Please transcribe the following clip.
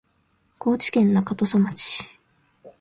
高知県中土佐町